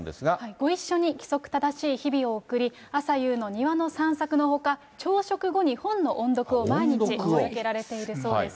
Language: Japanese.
ご一緒に規則正しい日々を送り、朝夕の庭の散策のほか、朝食後に本の音読を毎日続けられているそうです。